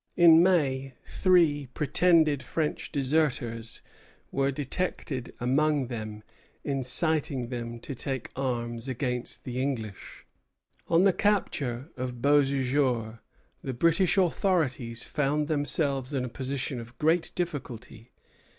In May three pretended French deserters were detected among them inciting them to take arms against the English. Ibid., 242. On the capture of Beauséjour the British authorities found themselves in a position of great difficulty.